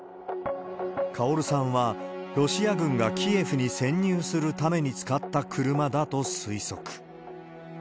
カオルさんは、ロシア軍がキエフに潜入するために使った車だと推測。